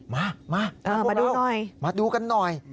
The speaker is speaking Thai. มามาดูกันหน่อย